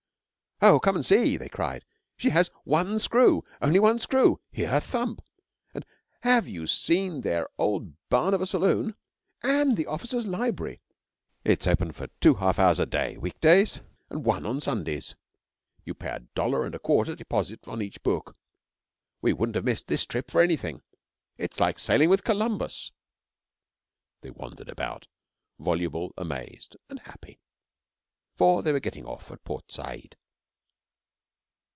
'Oh, come and see!' they cried. 'She has one screw only one screw! Hear her thump! And have you seen their old barn of a saloon? And the officers' library? It's open for two half hours a day week days and one on Sundays. You pay a dollar and a quarter deposit on each book. We wouldn't have missed this trip for anything. It's like sailing with Columbus.' They wandered about voluble, amazed, and happy, for they were getting off at Port Said.